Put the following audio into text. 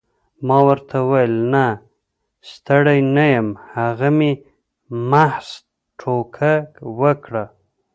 ما ورته وویل نه ستړی نه یم هغه مې محض ټوکه وکړه.